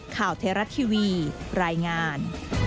ข่าวเทราะท์ทีวีรายงาน